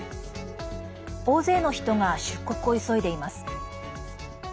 大勢の人が出国を急いでいます。